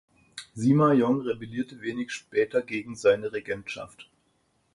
Sima Yong rebellierte wenig später gegen seine Regentschaft.